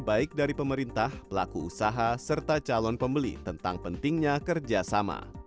baik dari pemerintah pelaku usaha serta calon pembeli tentang pentingnya kerjasama